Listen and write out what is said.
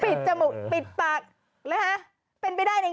ปิดจมูกปิดปากเป็นไปได้นะอีก